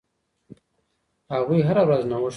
هغوی هره ورځ نوښت کوي.